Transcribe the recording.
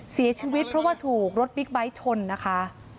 เสียชีวิตเพราะว่าถูกรถบิ๊กไบท์ชนนะคะ